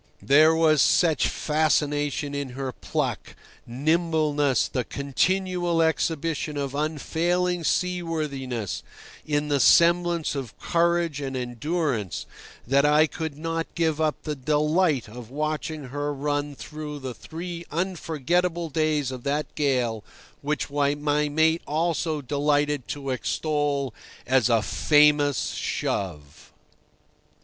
There was such fascination in her pluck, nimbleness, the continual exhibition of unfailing seaworthiness, in the semblance of courage and endurance, that I could not give up the delight of watching her run through the three unforgettable days of that gale which my mate also delighted to extol as "a famous shove."